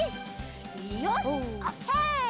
よしオッケー！